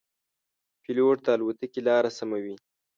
پیلوټ د الوتکې لاره سموي.